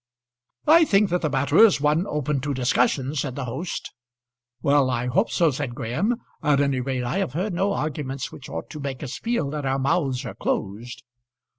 "I think that the matter is one open to discussion," said the host. "Well, I hope so," said Graham. "At any rate I have heard no arguments which ought to make us feel that our mouths are closed."